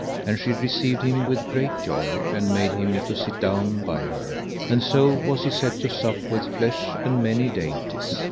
And she received him with great joy, and made him to sit down by her, and so was he set to sup with flesh and many dainties.